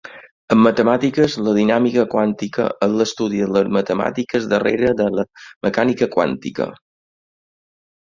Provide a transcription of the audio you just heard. En matemàtiques, la dinàmica quàntica és l'estudi de les matemàtiques darrere de la mecànica quàntica.